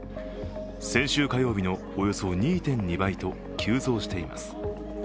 先週火曜日のおよそ２．２倍と急増しています。